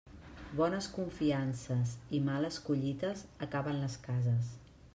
Bones confiances i males collites acaben les cases.